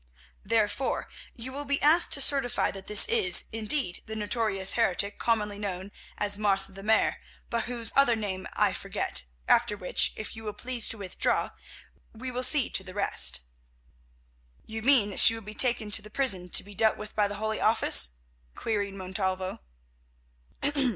Therefore, you will be asked to certify that this is, indeed, the notorious heretic commonly known as Martha the Mare, but whose other name I forget, after which, if you will please to withdraw, we will see to the rest." "You mean that she will be taken to the prison to be dealt with by the Holy Office?" queried Montalvo.